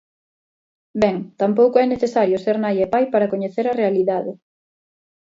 Ben, tampouco é necesario ser nai e pai para coñecer a realidade.